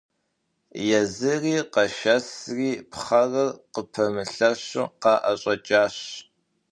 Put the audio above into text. Езыри къэшэсри пхъэрыр къыпэмылъэщу къаӏэщӏэкӏащ.